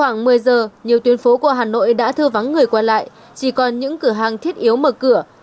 người đã thư vắng người quen lại chỉ còn những cửa hàng thiết yếu mở cửa